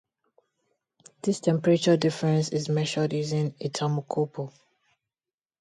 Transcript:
This temperature difference is measured using a thermocouple.